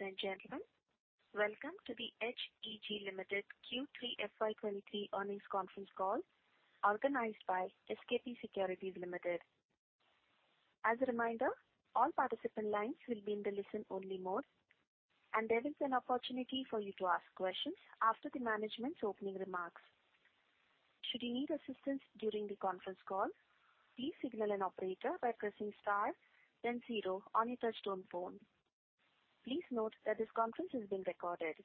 Good day, ladies and gentlemen. Welcome to the HEG Limited Q3 FY 2023 earnings conference call organized by SKP Securities Limited. As a reminder, all participant lines will be in the listen-only mode. There is an opportunity for you to ask questions after the management's opening remarks. Should you need assistance during the conference call, please signal an operator by pressing star then zero on your touchtone phone. Please note that this conference is being recorded.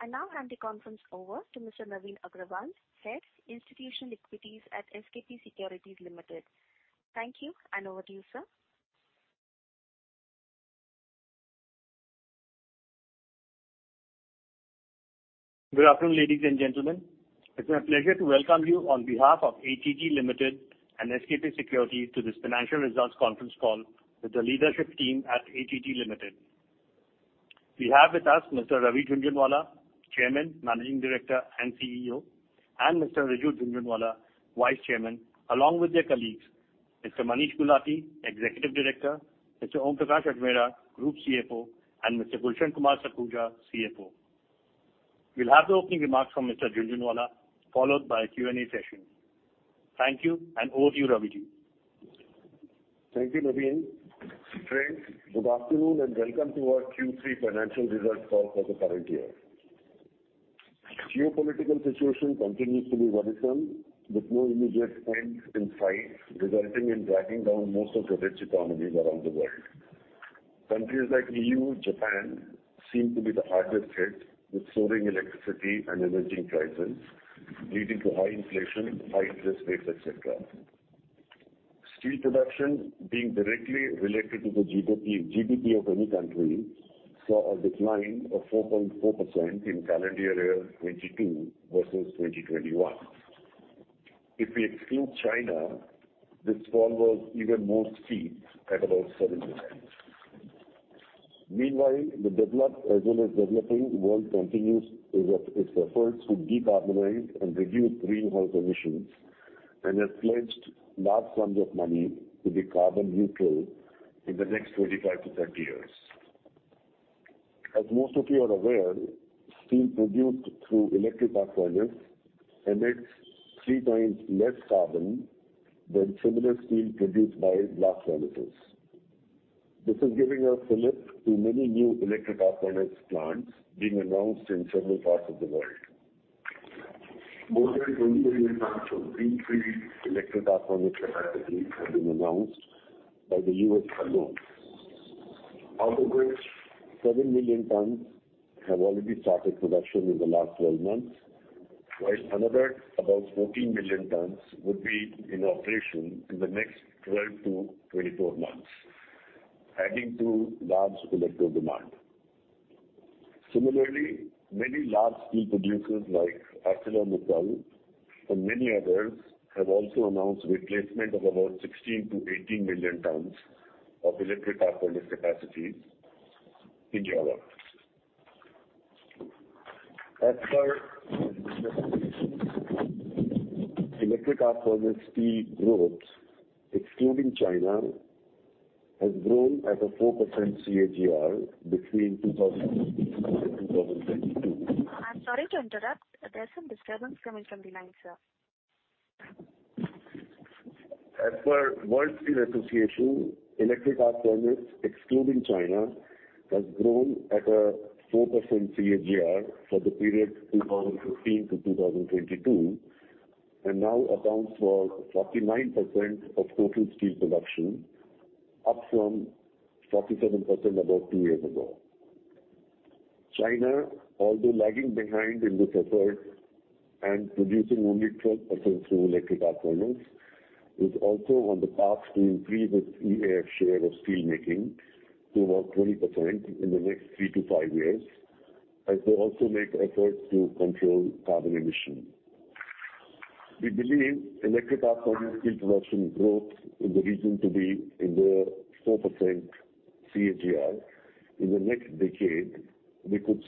I now hand the conference over to Mr. Navin Agrawal, Head, Institutional Equities at SKP Securities Limited. Thank you. Over to you, sir. Good afternoon, ladies and gentlemen. It's my pleasure to welcome you on behalf of HEG Limited and SKP Securities to this financial results conference call with the leadership team at HEG Limited. We have with us Mr. Ravi Jhunjhunwala, Chairman, Managing Director, and CEO, and Mr. Riju Jhunjhunwala, Vice Chairman, along with their colleagues, Mr. Manish Gulati, Executive Director, Mr. Om Prakash Ajmera, Group CFO, and Mr. Gulshan Kumar Sakhuja, CFO. We'll have the opening remarks from Mr. Jhunjhunwala followed by a Q&A session. Thank you, and over to you, Raviji. Thank you, Navin. Friends, good afternoon, and welcome to our Q3 financial results call for the current year. Geopolitical situation continues to be worrisome, with no immediate end in sight, resulting in dragging down most of the rich economies around the world. Countries like EU, Japan seem to be the hardest hit, with soaring electricity and energy prices leading to high inflation, high interest rates, et cetera. Steel production being directly related to the GDP of any country saw a decline of 4.4% in calendar year 22 versus 2021. If we exclude China, this fall was even more steep at about 7%. Meanwhile, the developed as well as developing world continues its efforts to decarbonize and reduce greenhouse emissions and has pledged large sums of money to be carbon neutral in the next 25-30 years. As most of you are aware, steel produced through electric arc furnace emits three times less carbon than similar steel produced by blast furnaces. This is giving a lift to many new electric arc furnace plants being announced in several parts of the world. More than 20 million tons of greenfield electric arc furnace capacity have been announced by the U.S. alone, out of which 7 million tons have already started production in the last 12 months, while another about 14 million tons would be in operation in the next 12-24 months, adding to large electric demand. Similarly, many large steel producers like ArcelorMittal and many others have also announced replacement of about 16-18 million tons of electric arc furnace capacity in Europe. As per electric arc furnace steel growth, excluding China, has grown at a 4% CAGR between 2015 to 2022. I'm sorry to interrupt. There's some disturbance coming from the line, sir. As per World Steel Association, electric arc furnace, excluding China, has grown at a 4% CAGR for the period 2015 to 2022 and now accounts for 49% of total steel production, up from 47% about two years ago. China, although lagging behind in this effort and producing only 12% through electric arc furnace, is also on the path to increase its EAF share of steel making to about 20% in the next three-five years as they also make efforts to control carbon emission. We believe electric arc furnace steel production growth in the region to be in the 4% CAGR. In the next decade, which could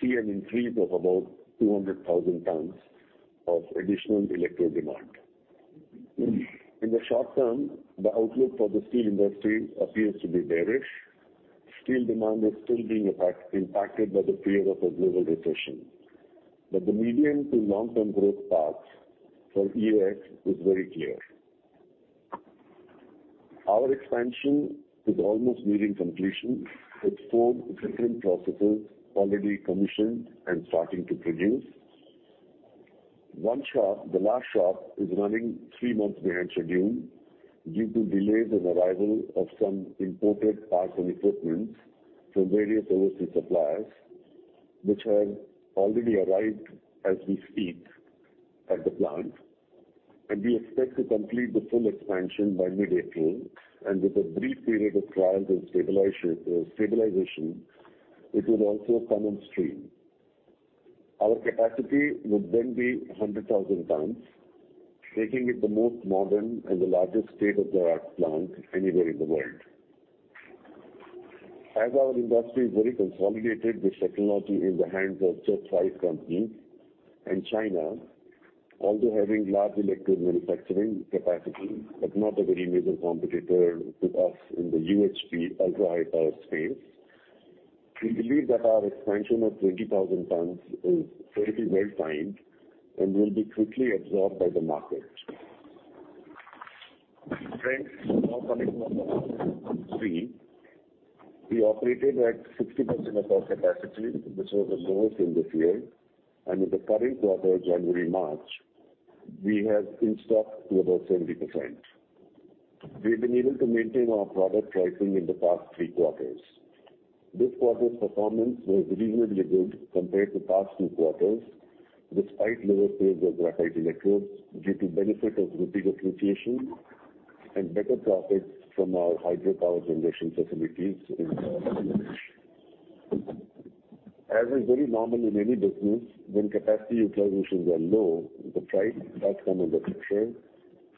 see an increase of about 200,000 tons of additional electric demand. In the short term, the outlook for the steel industry appears to be bearish. Steel demand is still being impacted by the fear of a global recession, but the medium to long-term growth path for EAF is very clear. Our expansion is almost nearing completion, with four different processes already commissioned and starting to produce. One shop, the last shop, is running three months behind schedule due to delays in arrival of some imported parts and equipment from various overseas suppliers, which have already arrived as we speak at the plant. We expect to complete the full expansion by mid-April, and with a brief period of trials and stabilization, it will also come on stream. Our capacity would then be 100,000 tons, making it the most modern and the largest state-of-the-art plant anywhere in the world. As our industry is very consolidated, this technology in the hands of just five companies and China, although having large electrode manufacturing capacity, but not a very major competitor to us in the UHP ultra-high power space. We believe that our expansion of 20,000 tons is fairly well timed and will be quickly absorbed by the market. Friends, now coming on to number three. We operated at 60% of our capacity, which was the lowest in this year, and in the current quarter, January, March, we have in stock to about 70%. We've been able to maintain our product pricing in the past three quarters. This quarter's performance was reasonably good compared to past two quarters, despite lower sales of graphite electrodes, due to benefit of rupee depreciation and better profits from our hydropower generation facilities in Himachal. As is very normal in any business, when capacity utilizations are low, the price does come under pressure,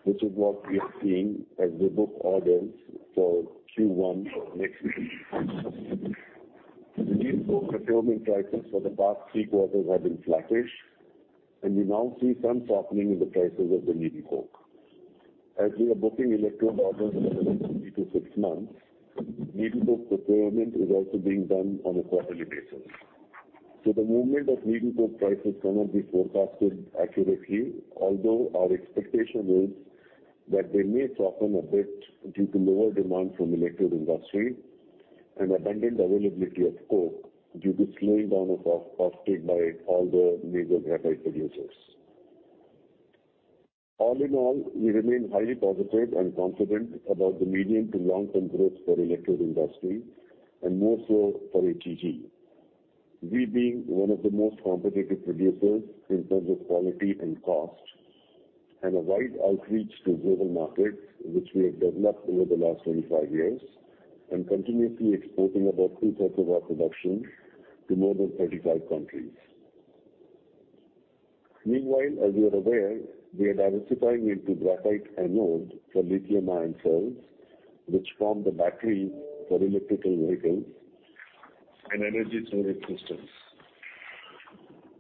which is what we are seeing as we book orders for Q1 next year. The needle coke procurement prices for the past three quarters have been flattish, and we now see some softening in the prices of the needle coke. As we are booking electrode orders for the next three to six months, needle coke procurement is also being done on a quarterly basis. The movement of needle coke prices cannot be forecasted accurately. Our expectation is that they may soften a bit due to lower demand from electrode industry and abundant availability of coke due to slowing down of offtake by all the major graphite producers. All in all, we remain highly positive and confident about the medium to long-term growth for electrode industry and more so for HEG. We being one of the most competitive producers in terms of quality and cost, have a wide outreach to global markets, which we have developed over the last 25 years and continuously exporting about 2/3 of our production to more than 35 countries. Meanwhile, as you are aware, we are diversifying into graphite anode for lithium-ion cells, which form the battery for electrical vehicles and energy storage systems.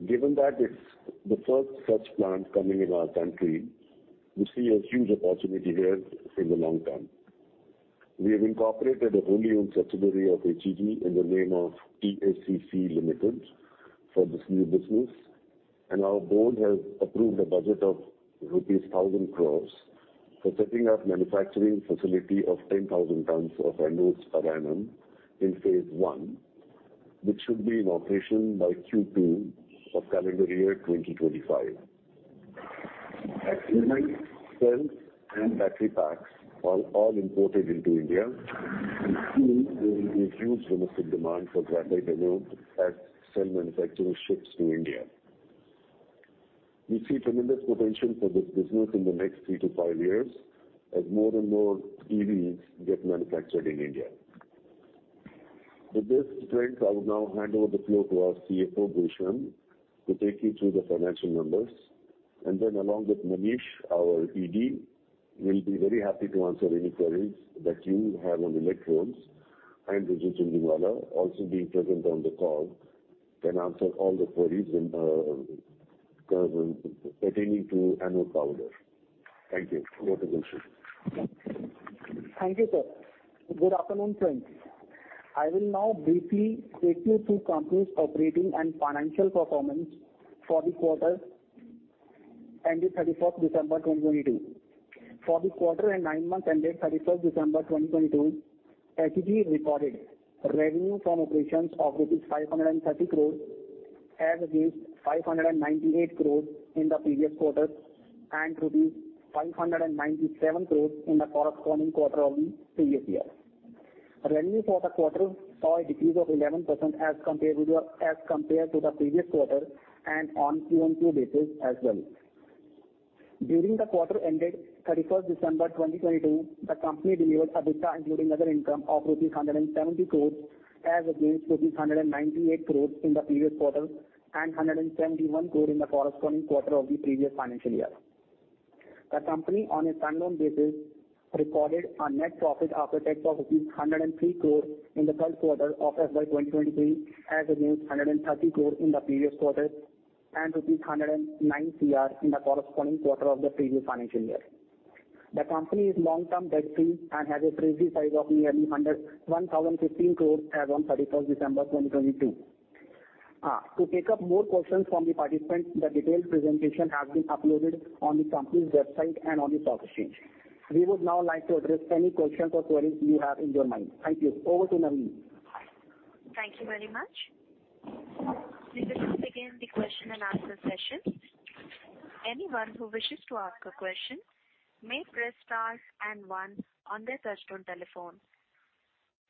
Given that it's the first such plant coming in our country, we see a huge opportunity here in the long term. We have incorporated a wholly-owned subsidiary of HEG in the name of TACC Limited for this new business, and our board has approved a budget of rupees 1,000 crores for setting up manufacturing facility of 10,000 tons of anodes per annum in phase one, which should be in operation by Q2 of calendar year 2025. At present, cells and battery packs are all imported into India, and soon there will be huge domestic demand for graphite anode as cell manufacturing shifts to India. We see tremendous potential for this business in the next three to five years as more and more EVs get manufactured in India. With this, friends, I would now hand over the floor to our CFO, Gulshan, to take you through the financial numbers. Then along with Manish, our ED, we'll be very happy to answer any queries that you have on electrodes. Vijay Chandolia also being present on the call can answer all the queries in pertaining to anode powder. Thank you. Over to Gulshan. Thank you, sir. Good afternoon, friends. I will now briefly take you through company's operating and financial performance for the quarter ended 31st December 2022. For the quarter and 9 months ended 31st December 2022, HEG recorded revenue from operations of 530 crores rupees as against 598 crores in the previous quarter and 597 crores rupees in the corresponding quarter of the previous year. Revenue for the quarter saw a decrease of 11% as compared to the previous quarter and on QOQ basis as well. During the quarter ended 31st December 2022, the company delivered EBITDA including other income of INR 170 crores as against INR 198 crores in the previous quarter and 171 crore in the corresponding quarter of the previous financial year. The company on a standalone basis recorded a net profit after tax of 103 crores in the first quarter of FY 2023, as against 130 crore in the previous quarter and rupees 109 crore in the corresponding quarter of the previous financial year. The company is long-term debt free and has a treasury size of nearly 1,015 crores as on 31st December 2022. To take up more questions from the participants, the detailed presentation has been uploaded on the company's website and on the stock exchange. We would now like to address any questions or queries you have in your mind. Thank you. Over to Manish. Thank you very much. We will now begin the question and answer session. Anyone who wishes to ask a question may press star one on their touch-tone telephone.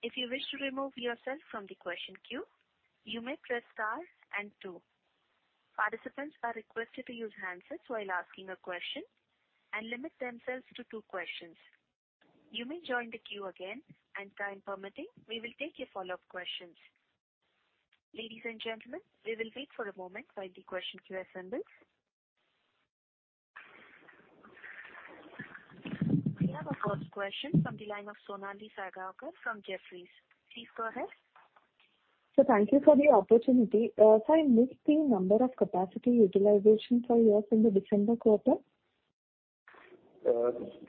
If you wish to remove yourself from the question queue, you may press star two. Participants are requested to use handsets while asking a question and limit themselves to two questions. You may join the queue again, and time permitting, we will take your follow-up questions. Ladies and gentlemen, we will wait for a moment while the question queue assembles. First question from the line of Sonali Salgaonkar from Jefferies. Please go ahead. Thank you for the opportunity. Sir, I missed the number of capacity utilization for you from the December quarter.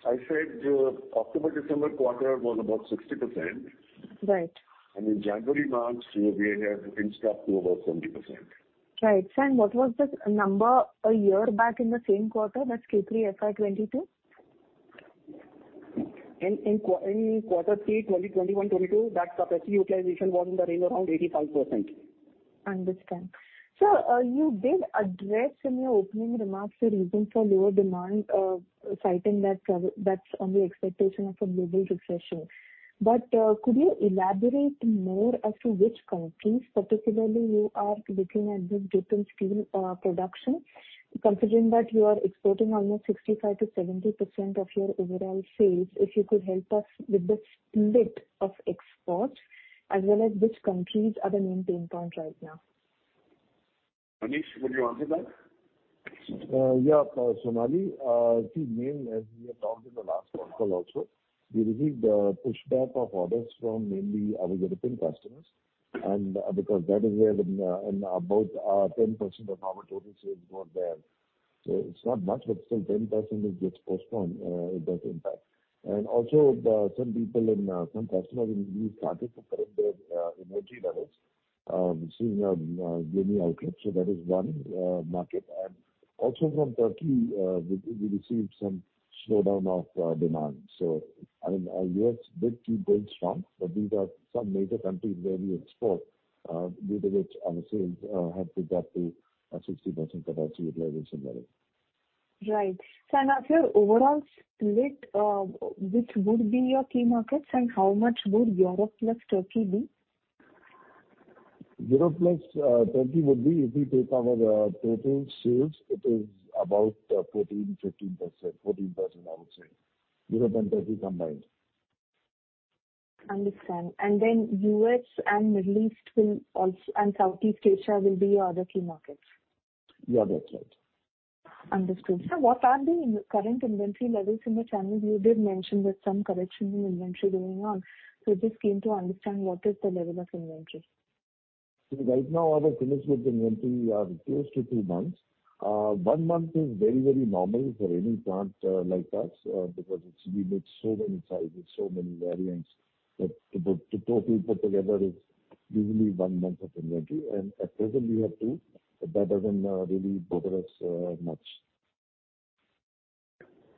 I said your October-December quarter was about 60%. Right. In January-March, we had inched up to about 70%. Right. What was the number a year back in the same quarter, that's Q3 FY 2022? In quarter three, 2021/2022, that capacity utilization was in the range around 85%. Understand. Sir, you did address in your opening remarks the reasons for lower demand, citing that travel, that's on the expectation of a global recession. Could you elaborate more as to which countries particularly you are looking at this dip in steel production? Considering that you are exporting almost 65%-70% of your overall sales, if you could help us with the split of exports as well as which countries are the main pain point right now. Manish, would you answer that? Sonali. As we have talked in the last call also, we received pushback of orders from mainly our European customers and about 10% of our total sales were there. It's not much, but still 10% is gets postponed, it does impact. Also, some people in some customers in the U.S. started to cut their energy levels seeing gloomy outlook. That is one market. Also from Turkey, we received some slowdown of demand. U.S. did keep going strong, but these are some major countries where we export due to which our sales have dipped up to a 60% capacity utilization level. Right. Of your overall split, which would be your key markets, and how much would Europe plus Turkey be? Europe plus, Turkey would be, if we take our, total sales, it is about, 14%, 15%. 14% I would say, Europe and Turkey combined. Understand. U.S. and Middle East will also... Southeast Asia will be your other key markets. Yeah, that's right. Understood. Sir, what are the in-current inventory levels in the channel? You did mention that some correction in inventory going on. Just keen to understand what is the level of inventory. See right now our finished goods inventory are close to two months. one month is very, very normal for any plant, like us because we make so many sizes, so many variants that to totally put together is usually one month of inventory. At present we have two. That doesn't really bother us much.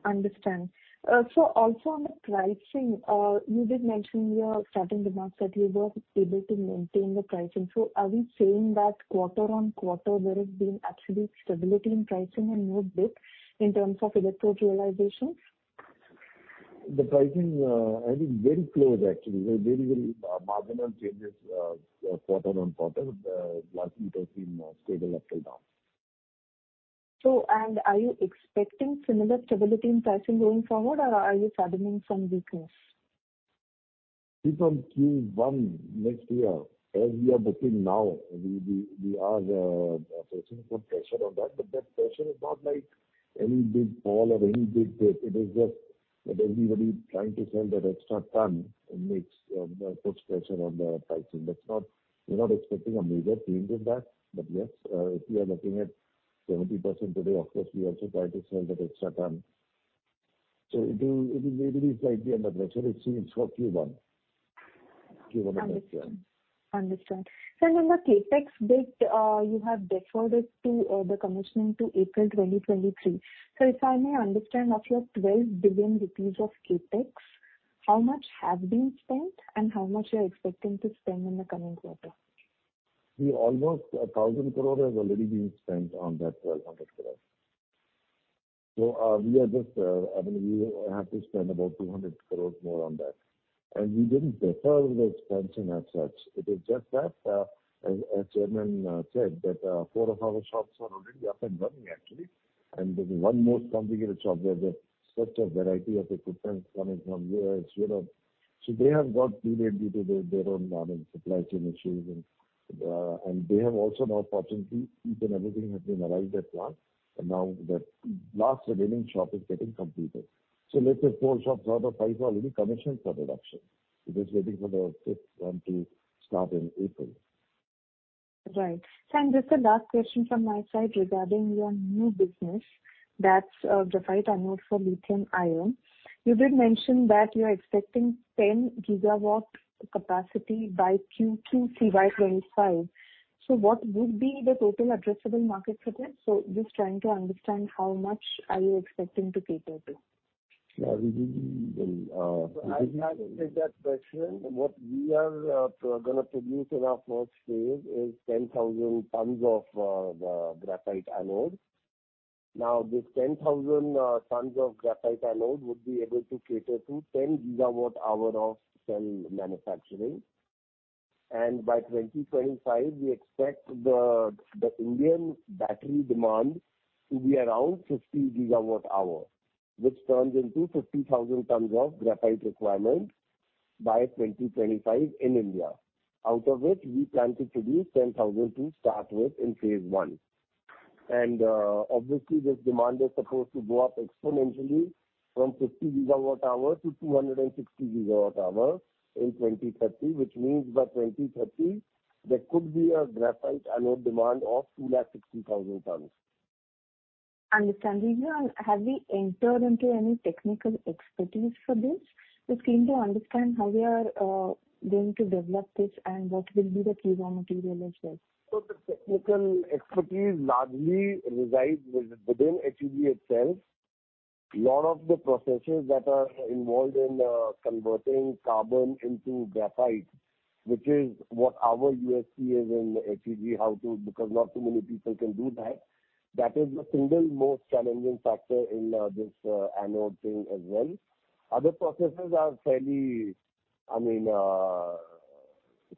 Understand. Also on the pricing, you did mention in your starting remarks that you were able to maintain the pricing. Are we saying that quarter-on-quarter there has been absolute stability in pricing and no dip in terms of electrode realizations? The pricing, I think very close actually. Very marginal changes, QOQ. Last quarter seemed stable up till now. Are you expecting similar stability in pricing going forward, or are you fathoming some weakness? From Q1 next year, as we are booking now, we are facing some pressure on that. That pressure is not like any big fall or any big dip. It is just that everybody's trying to sell that extra ton and makes puts pressure on the pricing. That's not. We're not expecting a major change in that. Yes, if we are looking at 70% today, of course we also try to sell that extra ton. It will maybe be slightly under pressure it seems for Q1. Q1 next year. Understand. Sir, in the CapEx bit, you have deferred it to the commissioning to April 2023. Sir, if I may understand, of your 12 billion rupees of CapEx, how much has been spent and how much you are expecting to spend in the coming quarter? See, almost 1,000 crore has already been spent on that 1,200 crore. We are just, I mean, we have to spend about 200 crores more on that. We didn't defer the expansion as such. It is just that, as Chairman said that, four of our shops are already up and running, actually. There's one more complicated shop where there's such a variety of equipment coming from here and Europe. They have got delayed due to their own supply chain issues, and they have also now fortunately, even everything has been arrived at plant. Now the last remaining shop is getting completed. Let's say four shops out of five are already commissioned for production. It is waiting for the fifth one to start in April. Right. Sir, just a last question from my side regarding your new business that's graphite anode for lithium-ion. You did mention that you're expecting 10 gigawatt capacity by FY 2025. What would be the total addressable market for this? Just trying to understand how much are you expecting to cater to? Yeah, we will, I can take that question. What we are, gonna produce in our first phase is 10,000 tons of the graphite anode. Now this 10,000 tons of graphite anode would be able to cater to 10 gigawatt hour of cell manufacturing. By 2025 we expect the Indian battery demand to be around 50 gigawatt hour, which turns into 50,000 tons of graphite requirement by 2025 in India. Out of which we plan to produce 10,000 to start with in phase one. Obviously this demand is supposed to go up exponentially from 50 gigawatt hour to 260 gigawatt hour in 2030, which means by 2030 there could be a graphite anode demand of 260,000 tons. Understanding. Have we entered into any technical expertise for this? Just keen to understand how we are going to develop this and what will be the key raw material as well. The technical expertise largely resides within HEG itself. Lot of the processes that are involved in converting carbon into graphite, which is what our USP is in HEG, because not too many people can do that. That is the single most challenging factor in this anode thing as well. Other processes are fairly, I mean,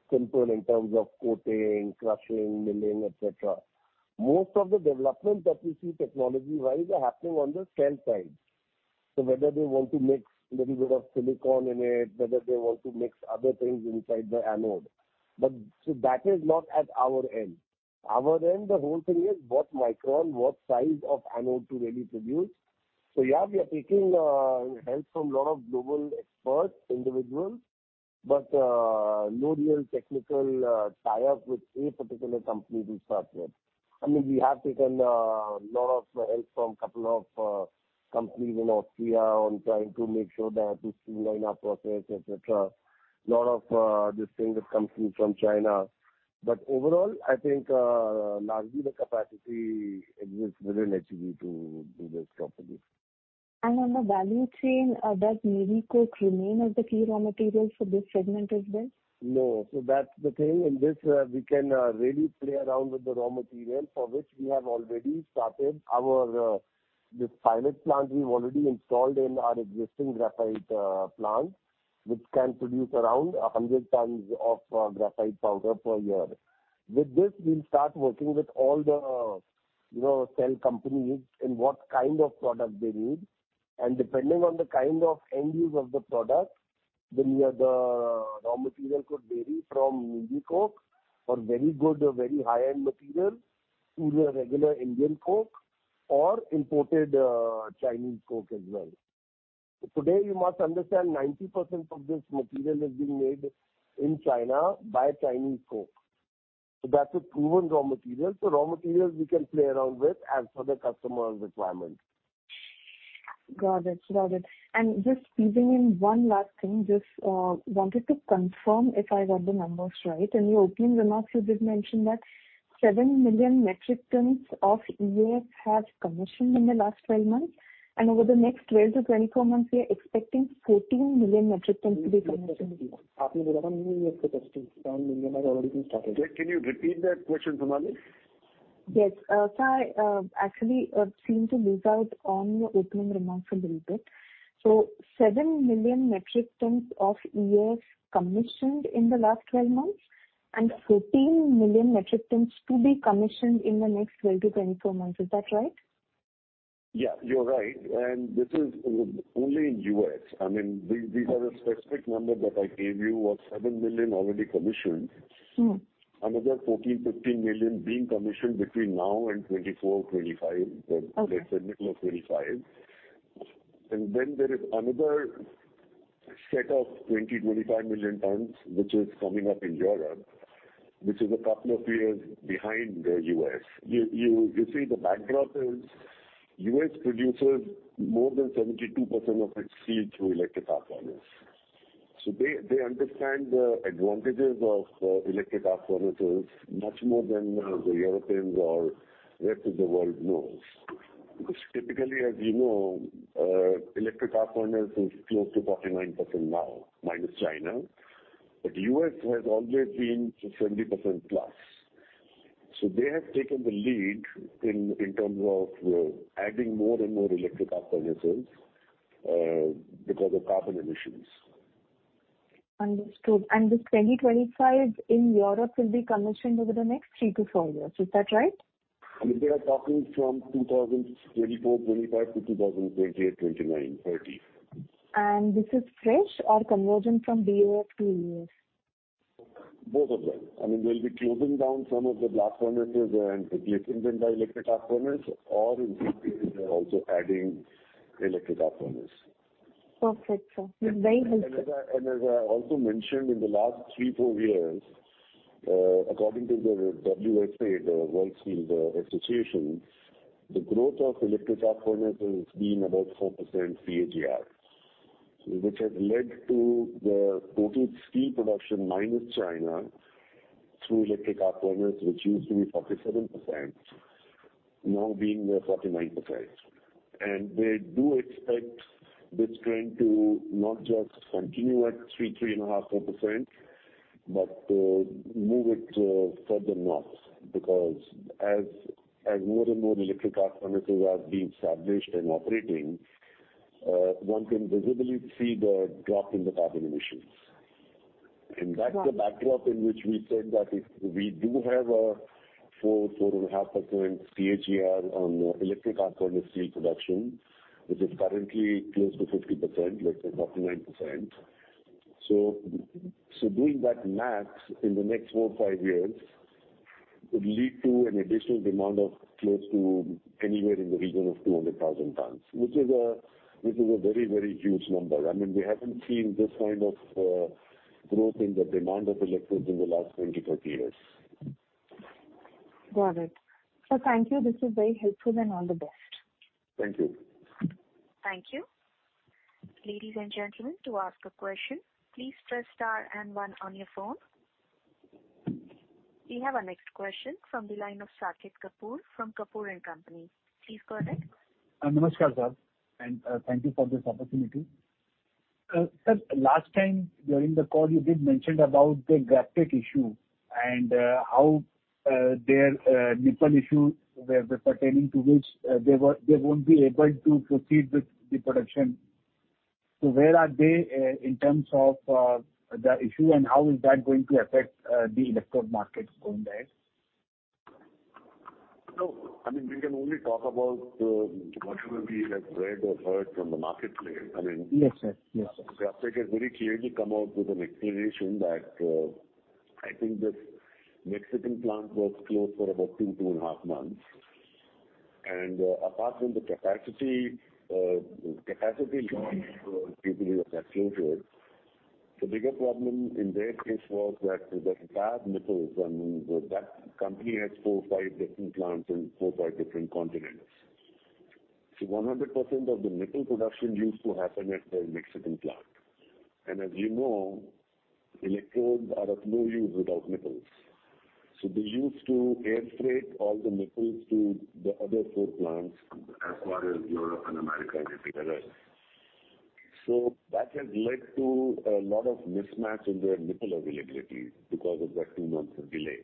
simple in terms of coating, crushing, milling, et cetera. Most of the development that we see technology-wise are happening on the cell side. Whether they want to mix little bit of silicon in it, whether they want to mix other things inside the anode. That is not at our end. Our end, the whole thing is what micron, what size of anode to really produce. Yeah, we are taking help from lot of global experts, individuals, but no real technical tie-ups with any particular company we started. I mean, we have taken lot of help from couple of companies in Austria on trying to make sure that we streamline our process, et cetera. Lot of this thing that comes in from China. Overall, I think, largely the capacity exists within HEG to do this properly. On the value chain, does needle coke remain as the key raw material for this segment as well? No. That's the thing. In this, we can really play around with the raw material for which we have already started our this pilot plant we've already installed in our existing graphite plant, which can produce around 100 tons of graphite powder per year. With this, we'll start working with all the, you know, cell companies in what kind of product they need. Depending on the kind of end use of the product, raw material could vary from needle coke or very good or very high-end material to your regular Indian coke or imported, Chinese coke as well. Today you must understand 90% of this material is being made in China by Chinese coke. That's a proven raw material. Raw materials we can play around with as per the customer's requirement. Got it. Got it. Just squeezing in one last thing. Just wanted to confirm if I got the numbers right. In your opening remarks, you did mention that 7 million metric tons of EAF have commissioned in the last 12 months, and over the next 12-24 months we are expecting 14 million metric tons to be commissioned. Yes. Sir, I actually seem to miss out on your opening remarks a little bit. 7 million metric tons of EAF commissioned in the last 12 months and 14 million metric tons to be commissioned in the next 12-24 months. Is that right? Yeah, you're right. This is only in U.S. I mean, these are the specific number that I gave you was 7 million already commissioned. Mm-hmm. Another 14, 15 million being commissioned between now and 2024, 2025. Okay. Let's say middle of 25. There is another set of 20-25 million tons which is coming up in Europe, which is a couple of years behind the U.S. You see the backdrop is U.S. produces more than 72% of its steel through electric arc furnace. They understand the advantages of electric arc furnaces much more than the Europeans or rest of the world knows. Because typically, as you know, electric arc furnace is close to 49% now, minus China, but U.S. has always been 70%+. They have taken the lead in terms of adding more and more electric arc furnaces because of carbon emissions. Understood. This 2025 in Europe will be commissioned over the next three-four years. Is that right? I mean, they are talking from 2024, 2025 to 2028, 2029, 2030. This is fresh or conversion from BOF to EAF? Both of them. I mean, they'll be closing down some of the blast furnaces and replacing them by electric arc furnace or in new cases they're also adding electric arc furnace. Perfect, sir. This is very helpful. As I also mentioned in the last three, four years, according to the WSA, the World Steel Association, the growth of electric arc furnace has been about 4% CAGR, which has led to the total steel production minus China through electric arc furnace, which used to be 47%, now being 49%. They do expect this trend to not just continue at three and a half, 4%, but move it further north. As more and more electric arc furnaces are being established and operating, one can visibly see the drop in the carbon emissions. That's the backdrop in which we said that if we do have a 4-4.5% CAGR on electric arc furnace steel production, which is currently close to 50%, let's say 49%. Doing that max in the next four-five years would lead to an additional demand of close to anywhere in the region of 200,000 tons, which is a very, very huge number. I mean, we haven't seen this kind of growth in the demand of electrodes in the last 20-30 years. Got it. Sir, thank you. This was very helpful, and all the best. Thank you. Thank you. Ladies and gentlemen, to ask a question, please press star and one on your phone. We have our next question from the line of Saket Kapoor from Kapoor & Company. Please go ahead. Namaskar, sir, and thank you for this opportunity. Sir, last time during the call you did mention about the Graphite issue and how their needle coke issue pertaining to which they won't be able to proceed with the production. Where are they in terms of the issue and how is that going to affect the electrode market going ahead? I mean, we can only talk about whatever we have read or heard from the marketplace. Yes, sir. Yes, sir. Graphite has very clearly come out with an explanation that, I think the Mexican plant was closed for about two and a half months. Apart from the capacity lost due to that closure, the bigger problem in their case was that the entire nipples from that company has four, five different plants in four, five different continents. 100% of the nipple production used to happen at the Mexican plant. As you know, electrodes are of no use without nipples. They used to air freight all the nipples to the other 4 plants as far as Europe and America and everywhere else. That has led to a lot of mismatch in their nipple availability because of that two months of delay.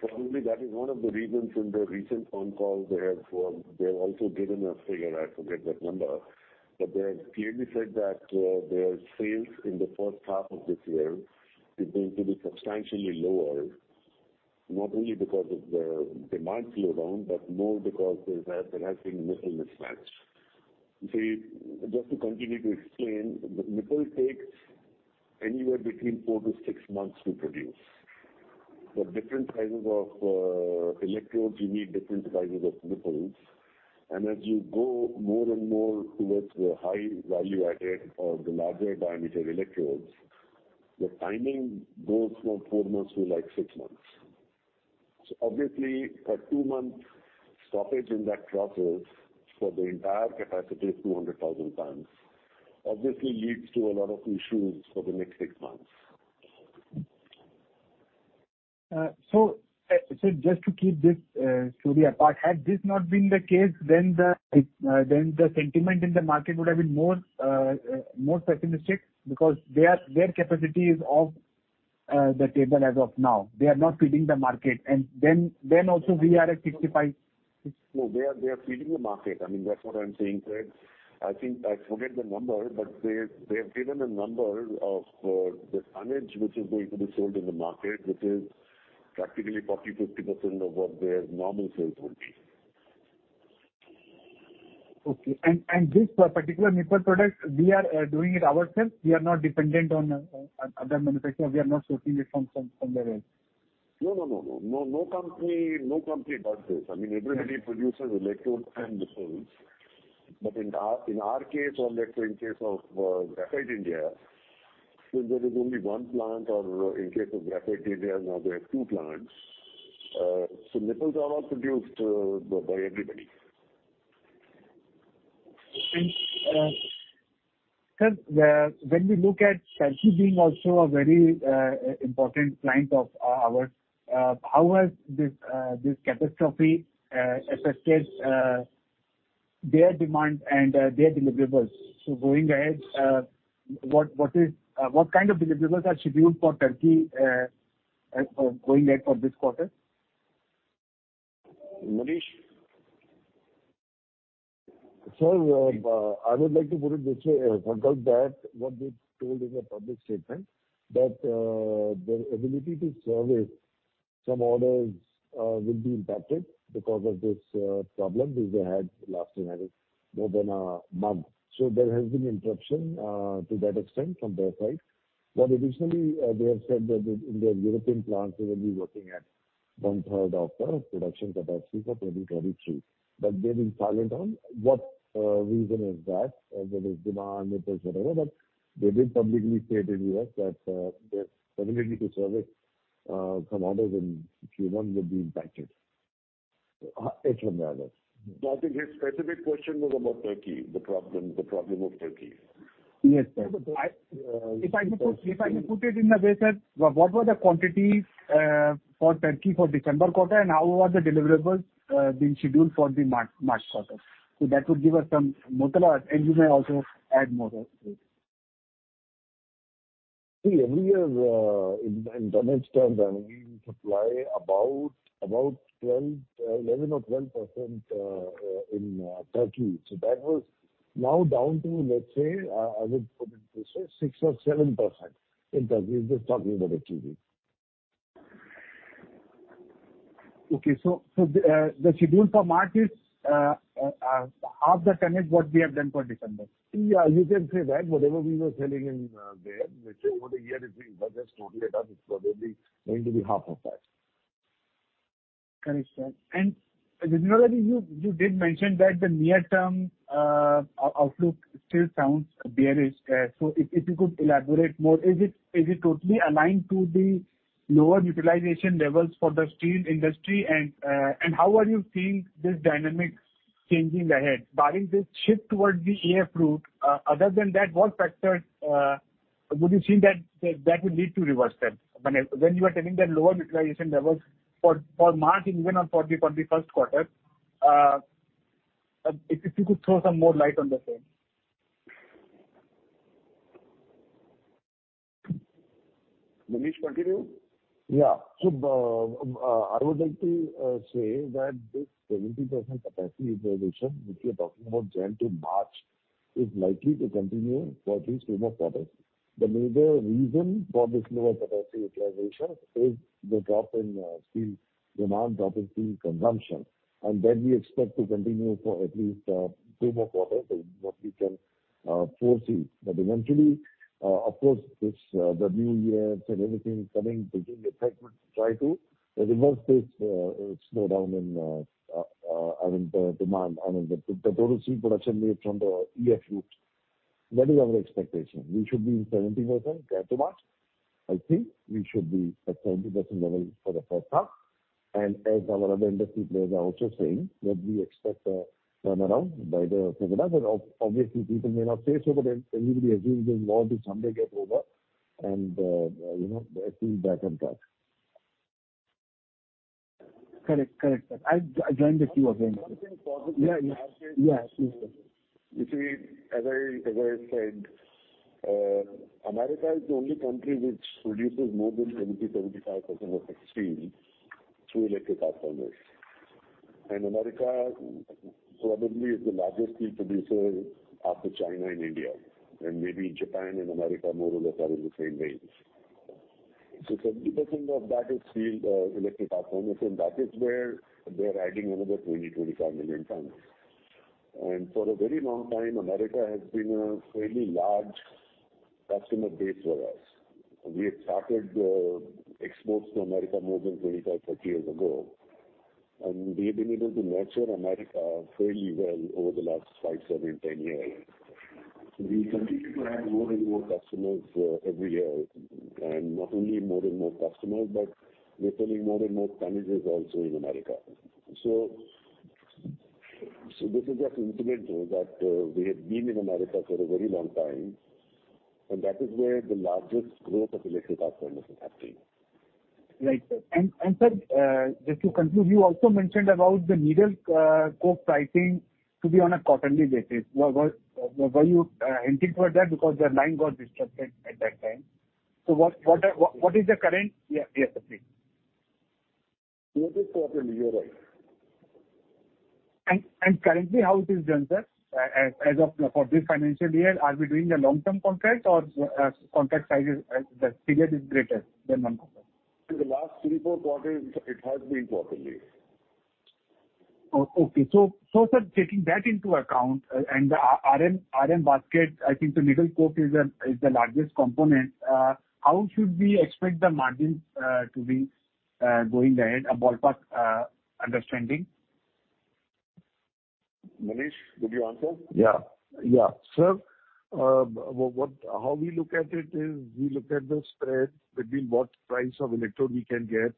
Probably that is one of the reasons in their recent phone call they have, they have also given a figure, I forget that number, but they have clearly said that their sales in the first half of this year is going to be substantially lower, not only because of the demand slowdown, but more because there has been nipple mismatch. Just to continue to explain, the nipple takes anywhere between four-six months to produce. For different sizes of electrodes, you need different sizes of nipples. As you go more and more towards the high value added or the larger diameter electrodes, the timing goes from four months to like six months. Obviously, a two-month stoppage in that process for the entire capacity of 200,000 tons obviously leads to a lot of issues for the next six months. Just to keep this story apart, had this not been the case, then the sentiment in the market would have been more pessimistic because their capacity is off the table as of now. They are not feeding the market. Then also we are at 65. No, they are feeding the market. I mean, that's what I'm saying, sir. I think I forget the number, but they have given a number of the tonnage which is going to be sold in the market, which is practically 40%, 50% of what their normal sales would be. This particular nipple product, we are doing it ourselves. We are not dependent on other manufacturer. We are not sourcing it from there as. No, no, no. No, no company, no company does this. I mean, everybody produces electrodes and nipples. In our, in our case or let's say in case of Graphite India, since there is only one plant or in case of Graphite India now there are two plants, nipples are all produced by everybody. Sir, when we look at Turkey being also a very important client of ours, how has this catastrophe affected their demand and their deliverables? Going ahead, what kind of deliverables are scheduled for Turkey as for going ahead for this quarter? Manish? Sir, I would like to put it this way. Graphite, what they told in a public statement, that their ability to survey some orders will be impacted because of this problem which they had last year, I think more than a month. So there has been interruption to that extent from their side. But additionally, they have said that in their European plants they will be working at one-third of the production capacity for 2023. But they didn't comment on what reason is that, whether it's demand, it is whatever, but they did publicly state in the U.S. that their ability to service some orders in Q1 will be impacted from their end. No, I think his specific question was about Turkey, the problem of Turkey. Yes, sir. Yes. If I may put it in a way, sir. What were the quantities for Turkey for December quarter, and how were the deliverables being scheduled for the March quarter? That would give us some mota mota, and you may also add more to it. See, every year, in tonnage terms, I mean, we supply about 12, 11% or 12% in Turkey. That was now down to, let's say, I would put it this way, 6% or 7% in Turkey. We're just talking about the Q1. The schedule for March is half the tonnage what we have done for December. Yeah, you can say that. Whatever we were selling in there, which is over the year is being done. That's totally a done. It's probably going to be half of that. Correct, sir. You know that you did mention that the near-term outlook still sounds bearish. If you could elaborate more, is it totally aligned to the lower utilization levels for the steel industry? How are you seeing this dynamic changing ahead barring the shift towards the EF route? Other than that, what factors would you think that would need to reverse that? When you are telling that lower utilization levels for March and even on for the first quarter. If you could throw some more light on the same? Manish, continue. Yeah. I would like to say that this 70% capacity utilization, which we are talking about January to March, is likely to continue for at least two more quarters. The major reason for this lower capacity utilization is the drop in steel demand, drop in steel consumption. That we expect to continue for at least two more quarters than what we can foresee. Eventually, of course this, the New Year and everything coming to give effect would try to reverse this slowdown in, I mean the demand. I mean the total steel production made from the EAF route. That is our expectation. We should be in 70% till March. I think we should be at 70% level for the first half. As our other industry players are also saying that we expect a turnaround by the second half. Obviously people may not say so, but everybody agrees this war will someday get over and, you know, everything back on track. Correct. I joined a few of them. One thing probably- Yeah, yeah. As I said, America is the only country which produces more than 75% of its steel through electric arc furnace. America probably is the largest steel producer after China and India, and maybe Japan and America more or less are in the same range. 70% of that is steel, electric arc furnace, and that is where they are adding another 20-25 million tons. For a very long time, America has been a fairly large customer base for us. We had started exports to America more than 25-30 years ago, and we have been able to nurture America fairly well over the last five, seven, 10 years. We continue to add more and more customers every year. Not only more and more customers, we are selling more and more tonnages also in America. This is just incidental that we have been in America for a very long time, and that is where the largest growth of electric arc furnace is happening. Right. Sir, just to conclude, you also mentioned about the needle coke pricing to be on a quarterly basis. Were you hinting toward that because the line got disrupted at that time? What is the current? Yeah, yeah. It is quarterly. You're right. Currently how it is done, sir? As of for this financial year, are we doing the long term contract or contract sizes, the period is greater than one quarter? In the last three, four quarters, it has been quarterly. Okay. Sir, taking that into account and the RM basket, I think the needle coke is the largest component. How should we expect the margins to be going ahead? A ballpark understanding. Manish, would you answer? Yeah. How we look at it is we look at the spread between what price of electrode we can get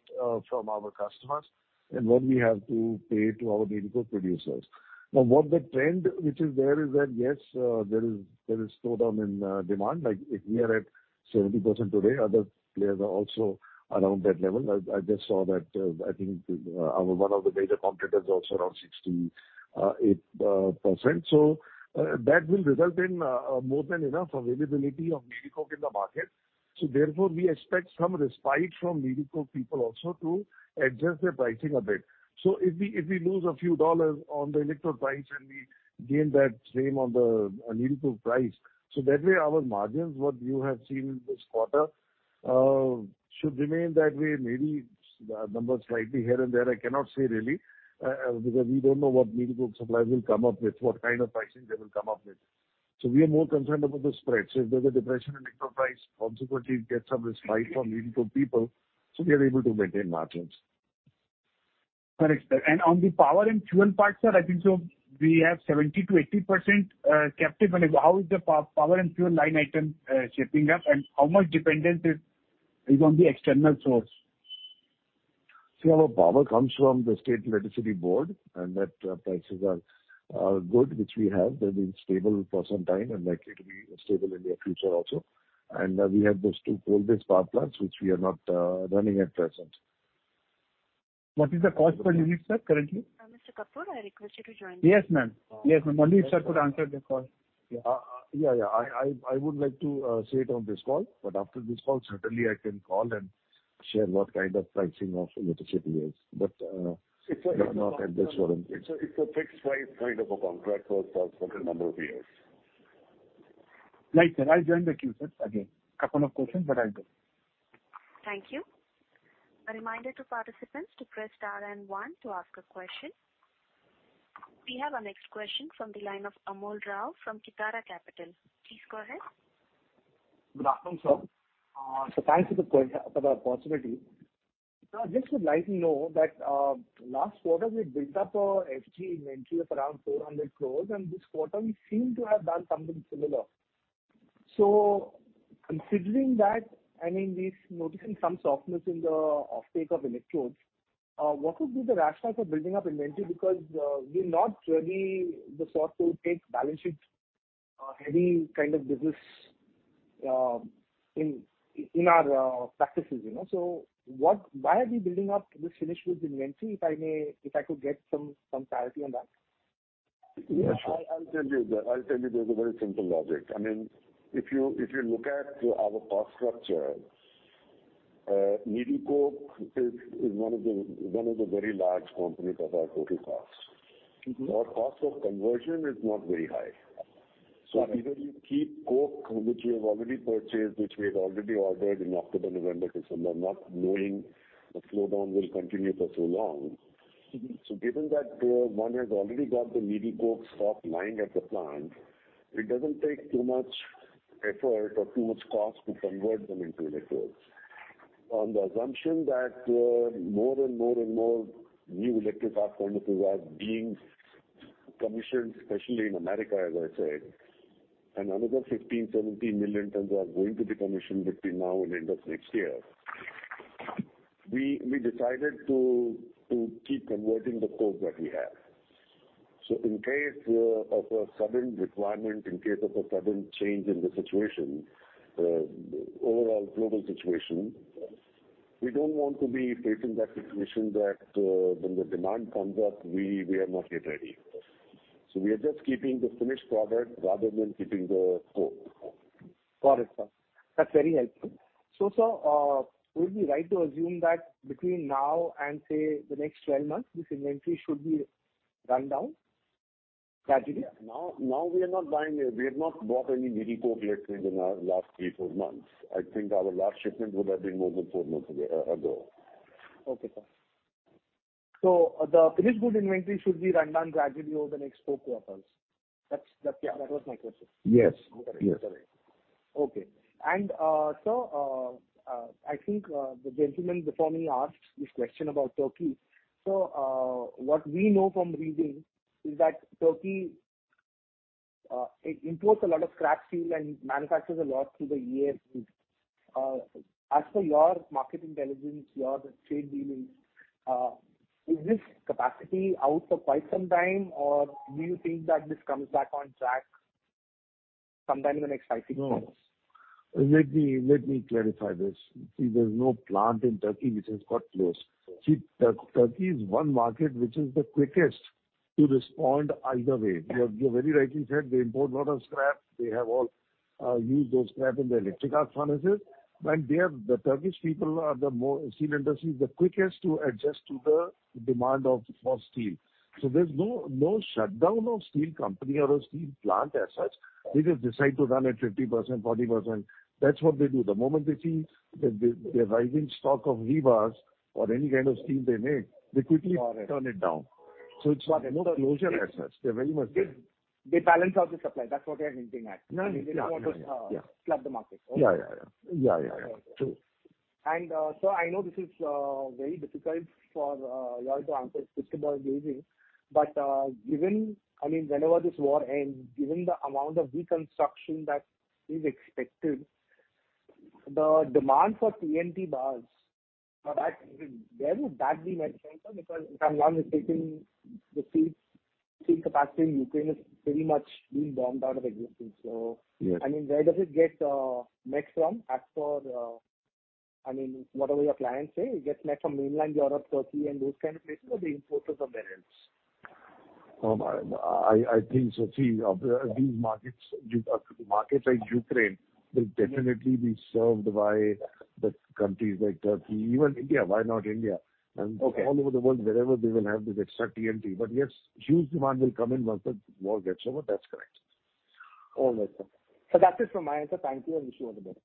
from our customers and what we have to pay to our needle coke producers. What the trend which is there is that, yes, there is slowdown in demand. Like if we are at 70% today, other players are also around that level. I just saw that, I think, one of the major competitors also around 68%. That will result in more than enough availability of needle coke in the market. Therefore, we expect some respite from needle coke people also to adjust their pricing a bit. If we, if we lose a few dollars on the electrode price and we gain that same on the, on needle coke price. That way our margins, what you have seen this quarter, should remain that way. Maybe the numbers slightly here and there, I cannot say really, because we don't know what needle coke suppliers will come up with, what kind of pricing they will come up with. We are more concerned about the spread. If there's a depression in electrode price, consequently we get some respite from needle coke people, so we are able to maintain margins. Correct. On the power and fuel part, sir, I think so we have 70%-80% captive. How is the power and fuel line item shaping up? How much dependent is on the external source? See, our power comes from the State Electricity Board, and that prices are good, which we have. They've been stable for some time and likely to be stable in near future also. We have those two coal-based power plants which we are not running at present. What is the cost per unit, sir, currently? Mr. Kapoor, I request you to join. Yes, ma'am. Yes, ma'am. Manish, sir could answer the call. Yeah. I would like to say it on this call. After this call, certainly I can call and share what kind of pricing of electricity is. It's. Not at this forum. It's a fixed price kind of a contract for a certain number of years. Right, sir. I'll join the queue, sir, again. Couple of questions, but I'll join. Thank you. A reminder to participants to press star and 1 to ask a question. We have our next question from the line of Amol Rao from Kitara Capital. Please go ahead. Good afternoon, sir. Thanks for the for the possibility. Sir, I just would like to know that, last quarter we built up our FG inventory of around 400 crores, and this quarter we seem to have done something similar. Considering that, I mean, we're noticing some softness in the offtake of electrodes, what would be the rationale for building up inventory? We're not really the sort to take balance sheet heavy kind of business in our practices, you know. Why are we building up this finished goods inventory, if I may, if I could get some clarity on that? Yes. I'll tell you there's a very simple logic. I mean, if you look at our cost structure, needle coke is one of the very large component of our total costs. Mm-hmm. Our cost of conversion is not very high. Got it. Either you keep coke, which we have already purchased, which we have already ordered in October, November, December, not knowing the slowdown will continue for so long. Mm-hmm. Given that one has already got the needle coke stock lying at the plant, it doesn't take too much effort or too much cost to convert them into electrodes. On the assumption that more and more new electric arc furnaces are being commissioned, especially in America, as I said, and another 15-17 million tons are going to be commissioned between now and end of next year, we decided to keep converting the coke that we have. In case of a sudden requirement, in case of a sudden change in the situation, overall global situation, we don't want to be facing that situation that when the demand comes up, we are not yet ready. We are just keeping the finished product rather than keeping the coke. Got it, sir. That's very helpful. Sir, would it be right to assume that between now and, say, the next 12 months, this inventory should be run down gradually? Now we have not bought any needle coke, let's say, in the last three, four months. I think our last shipment would have been more than four months ago. Okay, sir. The Finished Goods inventory should be run down gradually over the next four quarters. That's. Yeah. That was my question. Yes. Yes. Got it. Got it. Okay. Sir, I think the gentleman before me asked this question about Turkey. What we know from reading is that Turkey it imports a lot of scrap steel and manufactures a lot through the year. As per your market intelligence, your trade dealings, is this capacity out for quite some time, or do you think that this comes back on track sometime in the next five, six months? No. Let me clarify this. See, there's no plant in Turkey which has got closed. See, Turkey is one market which is the quickest to respond either way. You have very rightly said they import a lot of scrap. They have all used those scrap in the electric arc furnaces. The Turkish steel industry is the quickest to adjust to the demand for steel. There's no shutdown of steel company or a steel plant as such. They just decide to run at 50%, 40%. That's what they do. The moment they see the rising stock of rebars or any kind of steel they make, they quickly. Got it. -turn it down. So it's what- Got it. No closure as such. They're very much there. They balance out the supply. That's what we are hinting at. No. Yeah. Yeah. They don't want to flood the market. Okay. Yeah, yeah. Yeah, yeah. True. Sir, I know this is very difficult for you all to answer, predictable or easy. I mean, whenever this war ends, given the amount of reconstruction that is expected, the demand for TMT bars, that. Where would that be met from, sir? Because if someone is taking the steel capacity in Ukraine is pretty much being bombed out of existence. Yeah. I mean, where does it get met from as per, I mean, whatever your clients say, it gets met from mainland Europe, Turkey, and those kind of places, or they import it from somewhere else? I think so. See, these markets like Ukraine will definitely be served by the countries like Turkey, even India. Why not India? Okay. all over the world, wherever they will have this extra TMT. Yes, huge demand will come in once the war gets over. That's correct. All right, sir. That's it from my end, sir. Thank you and wish you all the best.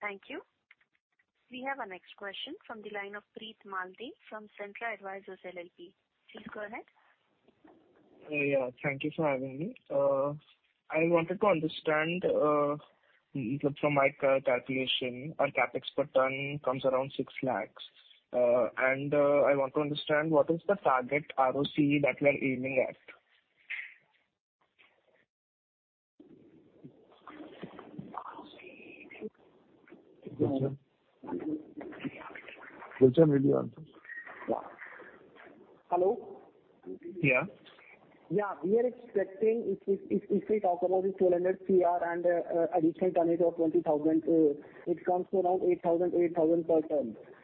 Thank you. We have our next question from the line of Punit Malde from Centrum Advisors LLP. Please go ahead. Yeah. Thank you for having me. I wanted to understand, from my calculation, our CapEx per ton comes around six lakhs. I want to understand what is the target ROCE that we are aiming at? ROCE. Gulshan. Gulshan, will you answer? Yeah. Hello? Yeah. Yeah. We are expecting if we talk about this 1,200 crore and additional tonnage of 20,000, it comes to around 8,000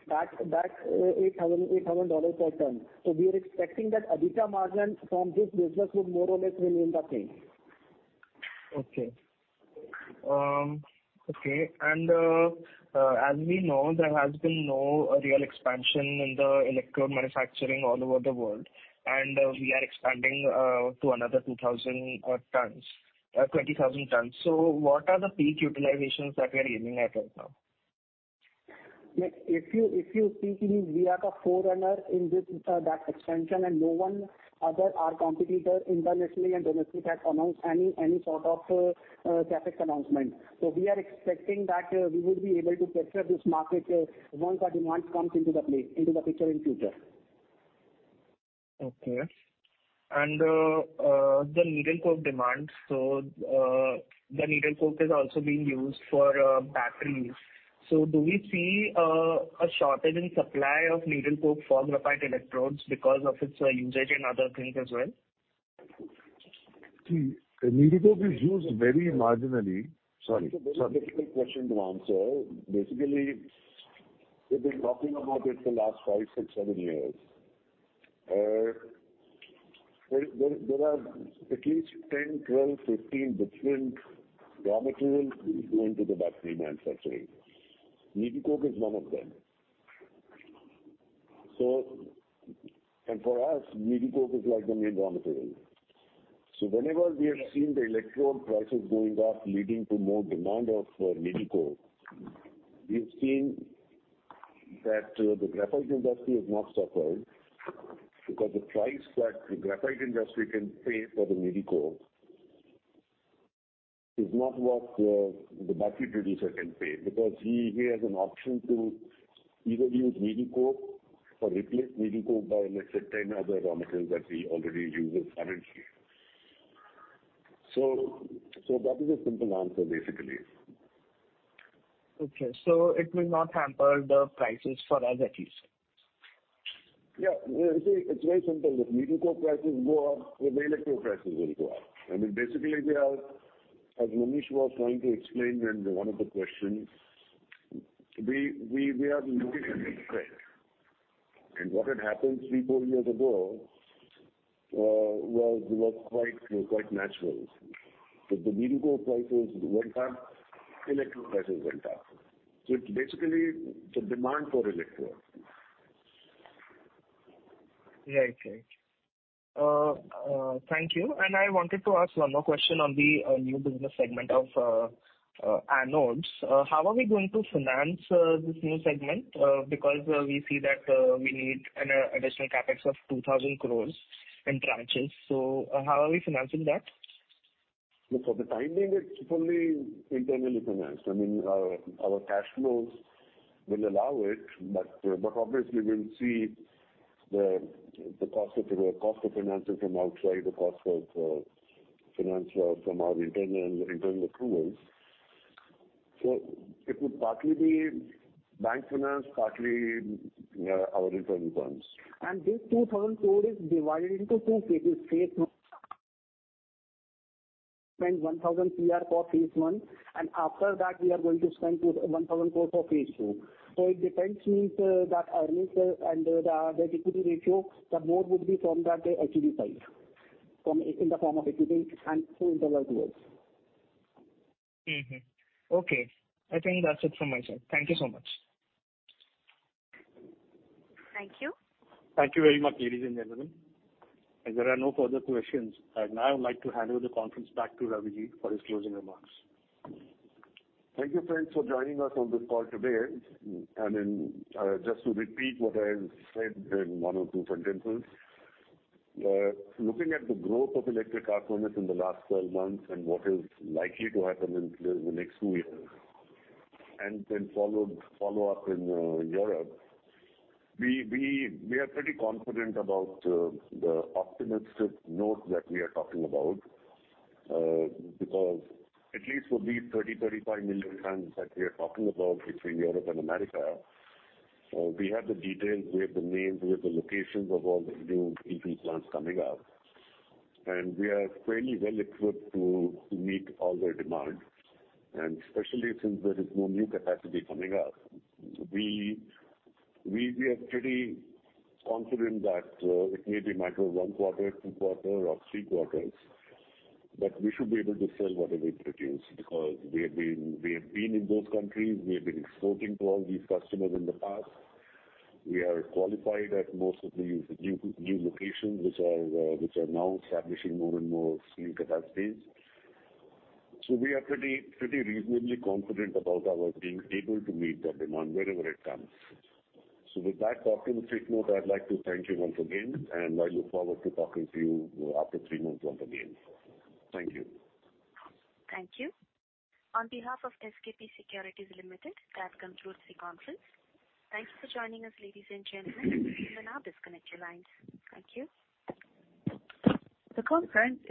per ton. That's $8,000 per ton. We are expecting that EBITDA margin from this business would more or less remain the same. Okay. Okay. As we know, there has been no real expansion in the electrode manufacturing all over the world. We are expanding to another 2,000 tons 20,000 tons. What are the peak utilizations that we are aiming at right now? If you see, we are the forerunner in this expansion. No one other, our competitor internationally and domestic has announced any sort of CapEx announcement. We are expecting that we will be able to capture this market once the demand comes into the play, into the picture in future. Okay. The needle coke demand. The needle coke is also being used for batteries. Do we see a shortage in supply of needle coke for graphite electrodes because of its usage in other things as well? Needle coke is used very marginally. Sorry. Sorry. It's a very difficult question to answer. Basically, we've been talking about it for the last five, six, seven years. There are at least 10, 12, 15 different raw materials going into the battery manufacturing. Needle coke is one of them. For us, needle coke is like the main raw material. So whenever we have seen the electrode prices going up, leading to more demand of needle coke, we've seen that the graphite industry has not suffered because the price that the graphite industry can pay for the needle coke is not what the battery producer can pay, because he has an option to either use needle coke or replace needle coke by let's say 10 other raw materials that we already use currently. That is a simple answer, basically. Okay. It will not hamper the prices for us at least. Yeah. You see, it's very simple. If needle coke prices go up, the electrode prices will go up. I mean, basically, they are, as Manish was trying to explain in one of the questions, we are looking at this trend. What had happened three, four years ago was quite natural. If the needle coke prices went up, electrode prices went up. It's basically the demand for electrode. Right. Right. Thank you. I wanted to ask one more question on the new business segment of anodes. How are we going to finance this new segment? Because we see that we need an additional CapEx of 2,000 crores in tranches. How are we financing that? Look, for the time being, it's fully internally financed. I mean, our cash flows will allow it, but obviously we'll see the cost of financing from outside, the cost of finance from our internal accruals. It would partly be bank finance, partly our internal funds. This 2,000 crores is divided into two phases. phase one, 1,000 cr for phase one, and after that we are going to spend 1,000 crores for phase two. So it depends with that earnings and the equity ratio. The board would be formed at the HEG side from, in the form of equity and through internal accruals. Mm-hmm. Okay. I think that's it from my side. Thank you so much. Thank you. Thank you very much, ladies and gentlemen. As there are no further questions, I'd now like to hand over the conference back to Raviji for his closing remarks. Thank you, friends, for joining us on this call today. Then, just to repeat what I have said in one or two sentences. Looking at the growth of electric arc furnace in the last 12 months and what is likely to happen in the next two years, then follow up in Europe, we are pretty confident about the optimistic note that we are talking about. Because at least for these 30-35 million tons that we are talking about between Europe and America, we have the details, we have the names, we have the locations of all the new EV plants coming up. We are fairly well equipped to meet all their demand. Especially since there is more new capacity coming up, we are pretty confident that it may be matter of one quarter, two quarters or three quarters, but we should be able to sell whatever we produce because we have been in those countries. We have been exporting to all these customers in the past. We are qualified at most of these new locations which are, which are now establishing more and more new capacities. We are pretty reasonably confident about our being able to meet the demand wherever it comes. With that optimistic note, I'd like to thank you once again, and I look forward to talking to you after three months once again. Thank you. Thank you. On behalf of SKP Securities Limited, that concludes the conference. Thank you for joining us, ladies and gentlemen. You may now disconnect your lines. Thank you. The conference is now.